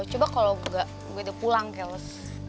coba kalau engga gue udah pulang keles